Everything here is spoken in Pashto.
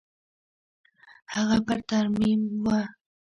هغه په ترميم بوخت و.